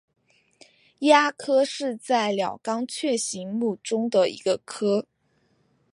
鸦科在是鸟纲雀形目中的一个科。